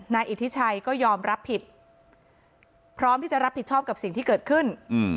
นายอิทธิชัยก็ยอมรับผิดพร้อมที่จะรับผิดชอบกับสิ่งที่เกิดขึ้น